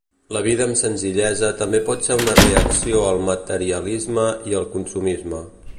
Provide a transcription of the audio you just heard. La vida amb senzillesa també pot ser una reacció al materialisme i el consumisme.